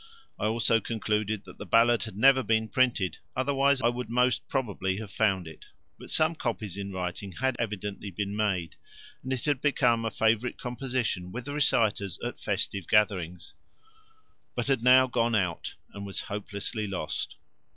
I also concluded that the ballad had never been printed, otherwise I would most probably have found it; but some copies in writing had evidently been made and it had become a favourite composition with the reciters at festive gatherings, but had now gone out and was hopelessly lost.